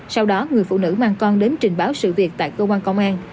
sau đó người phụ nữ mang con đến trình báo sự việc tại cơ quan công an